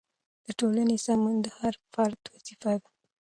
د ټولنې سمون د هر فرد وظیفه ده.